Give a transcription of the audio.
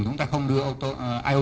chúng ta không đưa iot vào